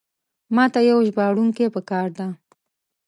ماته یو ژباړونکی پکار ده.